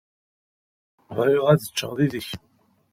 Bɣiɣ ad ččeɣ yid-k.